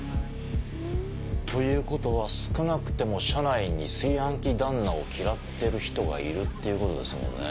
ということは少なくても社内に炊飯器旦那を嫌ってる人がいるっていうことですもんね。